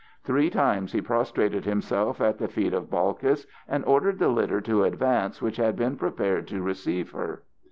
Three times he prostrated himself at the feet of Balkis, and ordered the litter to advance which had been prepared to receive her.